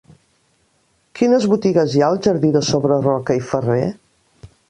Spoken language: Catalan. Quines botigues hi ha al jardí de Sobreroca i Ferrer?